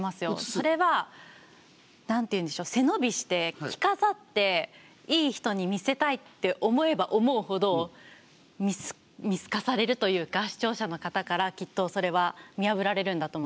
それは何ていうんでしょう背伸びして着飾っていい人に見せたいって思えば思うほど見透かされるというか視聴者の方からきっとそれは見破られるんだと思います。